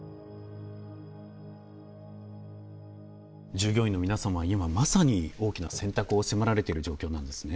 従業員の皆さんは今まさに大きな選択を迫られてる状況なんですね。